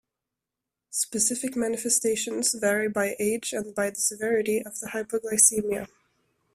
Specific manifestations vary by age and by the severity of the hypoglycemia.